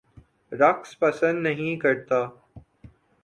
رقص پسند نہیں کرتا